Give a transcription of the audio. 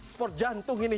sport jantung ini